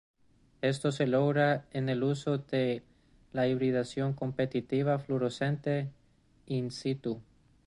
Esto se logra con el uso de la hibridación competitiva fluorescente in situ.